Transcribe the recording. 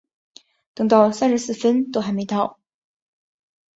等到三十四分都还没到